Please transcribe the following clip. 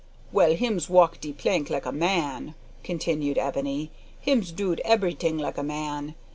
"Well, hims walk de plank like a man," continued Ebony, "hims dood eberyting like a man.